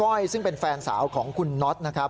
ขนาดที่คุณก้อยซึ่งเป็นแฟนสาวของคุณน็อตนะครับ